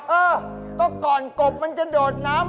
เออก็ก่อนกบมันจะโดดน้ำ